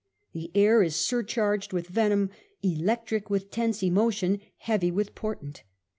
The air is surcharged with venom, electric with tense emotion, heavy with portent.